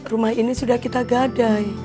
rumah ini sudah kita gadai